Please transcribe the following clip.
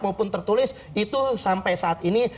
maupun tertulis itu sampai saat ini